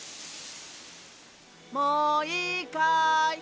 もういいかい？